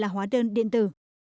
hóa đơn điện tử